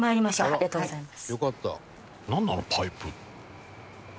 ありがとうございます。